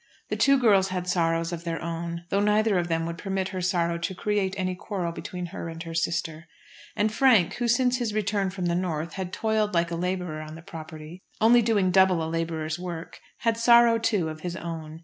The two girls had sorrows of their own; though neither of them would permit her sorrow to create any quarrel between her and her sister. And Frank, who since his return from the North had toiled like a labourer on the property only doing double a labourer's work had sorrow, too, of his own.